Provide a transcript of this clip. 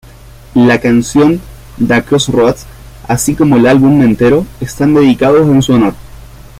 La canción "Tha Crossroads" así como el álbum entero, están dedicados en su honor.